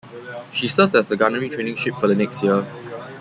She served as a gunnery training ship for the next year.